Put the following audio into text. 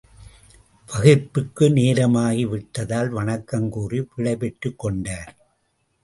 வகுப்பிற்கு நேரமாகி விட்டதால் வணக்கம் கூறி விடை பெற்றுக் கொண்டார்.